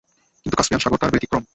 কিন্তু কাস্পিয়ান সাগর তার ব্যতিক্রম।